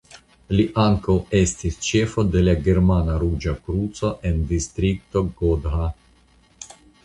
Li ankaŭ estis ĉefo de la Germana Ruĝa Kruco en Distrikto Gotha.